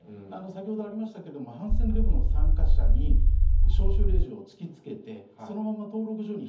先ほどありましたけど反戦デモの参加者に招集令状を突きつけてそのまま登録所に